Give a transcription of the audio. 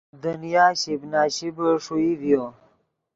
دنیا شیپ نا شیپے ݰوئی ڤیو